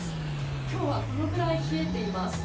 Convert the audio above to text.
今日はこのぐらい冷えています。